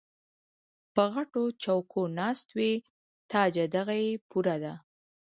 پۀ غټو چوکــــو ناست وي تاجه دغه یې پوره ده